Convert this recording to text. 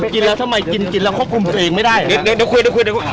กินแล้วทำไมกินกินแล้วควบคุมไปเองไม่ได้เดี๋ยวคุยเดี๋ยวคุย